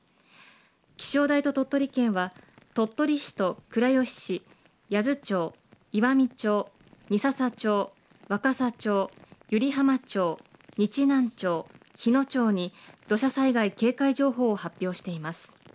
気象台と鳥取県は鳥取市と倉吉市、八頭町、岩美町、三朝町、若桜町、湯梨浜町、日南町、日野町に、土砂災害警戒情報を発表しています。